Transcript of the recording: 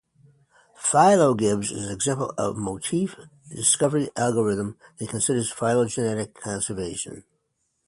PhyloGibbs is an example of a motif discovery algorithm that considers phylogenetic conservation.